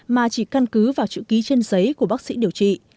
mà chỉ căn cứ vào chữ ký trên giấy của bác sĩ điều trị